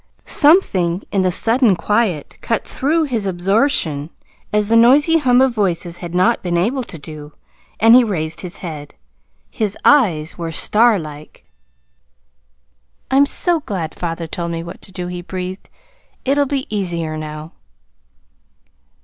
Something in the sudden quiet cut through his absorption as the noisy hum of voices had not been able to do, and he raised his head. His eyes were starlike. "I'm so glad father told me what to do," he breathed. "It'll be easier now."